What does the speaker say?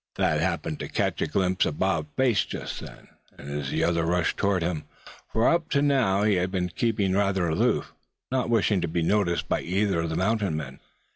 Thad happened to catch a glimpse of Bob's face just then, as the other turned toward him; for up to now he had been keeping rather aloof, not wishing to be noticed by either of the mountain men.